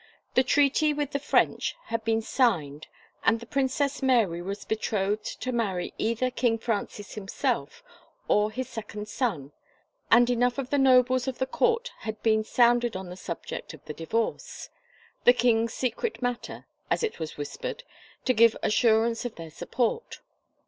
The treaty with the French had been signed and the Princess Mary was betrothed to marry either King Francis himself, or his second son, and enough of the nobles of the court had been sounded on the subject of the divorce, " The king's secret matter," as it was whispered, to give assurance of their support.